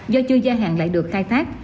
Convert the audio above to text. do chưa giai hạn lại được khai thác